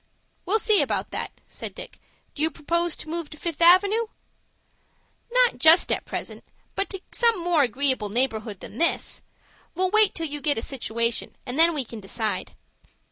"We'll see about that," said Dick. "Do you propose to move to Fifth Avenoo?" "Not just at present, but to some more agreeable neighborhood than this. We'll wait till you get a situation, and then we can decide."